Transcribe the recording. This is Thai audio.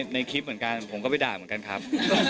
ในคลิปเหมือนกันผมก็ไปด่าเหมือนกันครับ